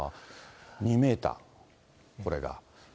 ２メーター、これが。